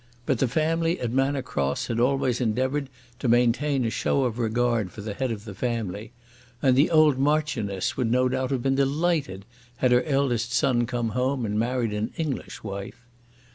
But the family at Manor Cross had always endeavoured to maintain a show of regard for the head of the family, and the old Marchioness would no doubt have been delighted had her eldest son come home and married an English wife.